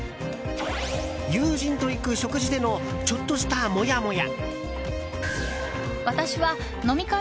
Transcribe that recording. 友人と行く食事でのちょっとしたモヤモヤ。